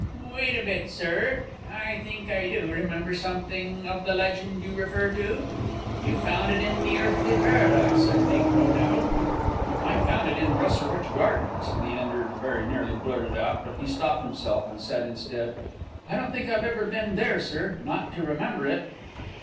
"Wait a bit, sir; I think I do remember something of the legend you refer to. You found it in the Earthly Paradise, I make no doubt?" "I found it in Rosherwich Gardens," Leander very nearly blurted out; but he stopped himself, and said instead, "I don't think I've ever been there, sir; not to remember it."